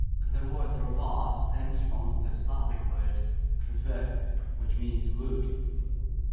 The word Drvar stems from the Slavic word ""drvo"" which means "wood".